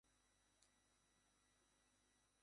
Airport police ওখানে আছে।